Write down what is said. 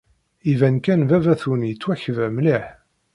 Iban kan baba-twen yettwakba mliḥ.